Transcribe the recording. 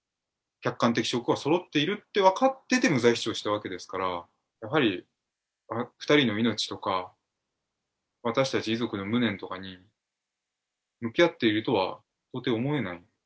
客観的証拠がそろっているって分かってて、無罪主張したわけですから、やはり２人の命とか、私たち遺族の無念とかに、向き合っているとは到底思えない。